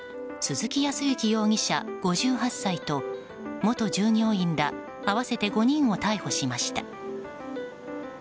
鈴木康之容疑者、５８歳と元従業員ら合わせて５人を逮捕しました。